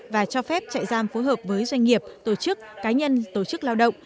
và cho phép trại giam phối hợp với doanh nghiệp tổ chức cá nhân tổ chức lao động